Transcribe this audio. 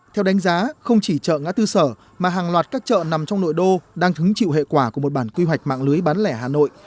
theo đánh giá không chỉ chợ ngã tư sở mà hàng loạt các chợ nằm trong nội đô đang hứng chịu hệ quả của một bản quy hoạch mạng lưới bán lẻ hà nội